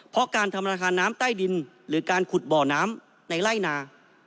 เพราะการทำราคาน้ำใต้ดินหรือการขุดบ่อน้ำในไล่นา